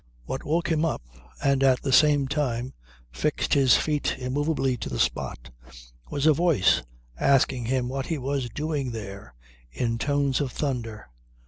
What woke him up and, at the same time, fixed his feet immovably to the spot, was a voice asking him what he was doing there in tones of thunder.